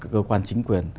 cơ quan chính quyền